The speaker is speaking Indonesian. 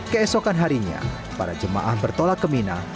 keesokan harinya para jemaah bertolak ke mina